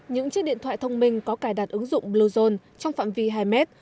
những chiếc điện thoại thông minh có cài đặt ứng dụng bluezone trong phạm vi hai mét